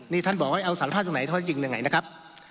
นี่ท่านบอกว่าเอาสารภาพตรงไหนถ้าเองสารจริงยังไงนะครับ